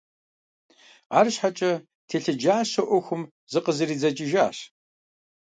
АрщхьэкIэ, телъыджащэу Iуэхум зыкъызэридзэкIыжащ.